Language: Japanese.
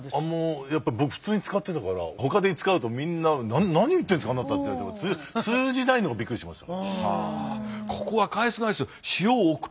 僕普通に使ってたからほかで使うと「何言ってるんですかあなた」って言われて通じないのがびっくりしました。